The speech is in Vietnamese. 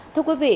thưa quý vị